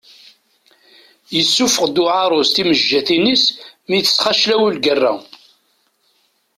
Yessuffeɣ-d uɛarus timejjatin-is mi d-tecxaclew lgerra.